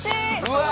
うわ！